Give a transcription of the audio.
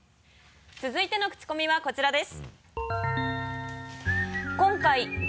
続いてのクチコミはこちらです。